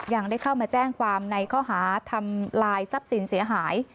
ยังได้เข้ามาแจ้งความในข้อหาทำลายทรัพย์สินเสียหาย